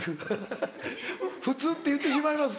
「普通」って言ってしまいます。